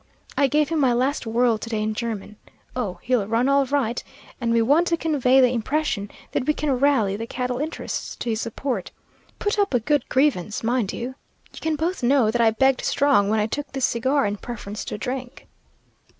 I gave him my last whirl to day in German. Oh, he'll run all right; and we want to convey the impression that we can rally the cattle interests to his support. Put up a good grievance, mind you! You can both know that I begged strong when I took this cigar in preference to a drink."